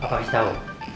papa harus tahu